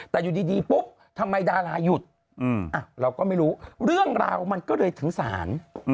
แต่อยู่ดีปุ๊บทำไมดาราหยุดเราก็ไม่รู้เรื่องราวมันก็เลยถึงศาล